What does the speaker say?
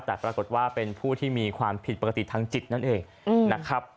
แต่ปรากฏว่าเป็นผู้ที่มีความผิดปกติทางจิตนั่นเองนะครับ